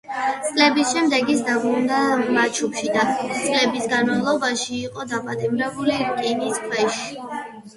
წლების შემდეგ ის დაბრუნდა მასაჩუსეტსში და წლების განმავლობაში იყო დაპატიმრების რისკის ქვეშ.